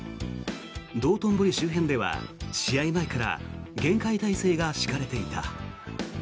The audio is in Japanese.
道頓堀周辺では試合前から厳戒態勢が敷かれていた。